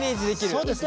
そうです。